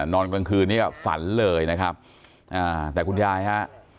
นอนกลางคืนนี้ฝันเลยนะครับอ่าแต่คุณยายฮะ